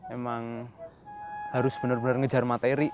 emang harus bener bener ngejar materi